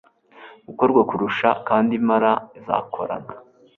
gukorwa kurushaho kandi Imana izakorana